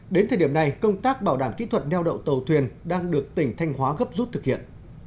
đến thời điểm này công tác bảo đảm kỹ thuật neo đậu tàu thuyền đang được tỉnh thanh hóa gấp rút thực hiện